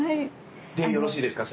でよろしいですか？